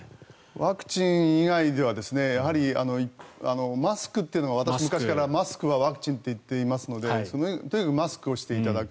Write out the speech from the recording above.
ワクチン以外ではやはりマスクというのが私は昔からマスクはワクチンと言っていますのでとにかくマスクをしていただく。